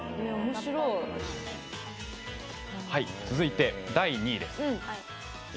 続いて、第２位です。